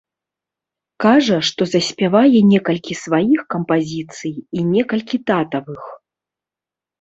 Кажа, што заспявае некалькі сваіх кампазіцый і некалькі татавых.